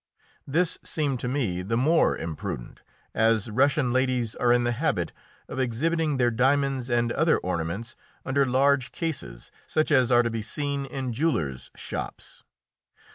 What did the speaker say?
This seemed to me the more imprudent as Russian ladies are in the habit of exhibiting their diamonds and other ornaments under large cases, such as are to be seen in jewellers' shops.